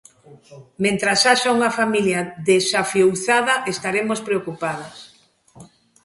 Mentres haxa unha familia desafiuzada estaremos preocupados.